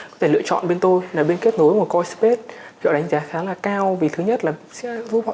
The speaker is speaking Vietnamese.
có thể lựa chọn bên tôi là bên kết nối của coispace kiểu đánh giá khá là cao vì thứ nhất là sẽ giúp họ